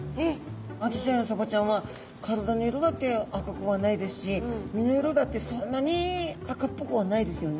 アジちゃんやサバちゃんは体の色だって赤くはないですし身の色だってそんなに赤っぽくはないですよね。